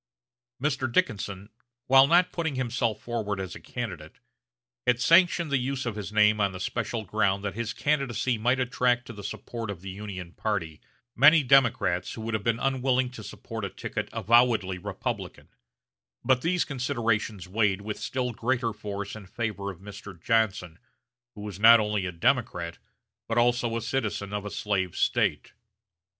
Mr. Dickinson, while not putting himself forward as a candidate, had sanctioned the use of his name on the special ground that his candidacy might attract to the support of the Union party many Democrats who would have been unwilling to support a ticket avowedly Republican; but these considerations weighed with still greater force in favor of Mr. Johnson, who was not only a Democrat, but also a citizen of a slave State.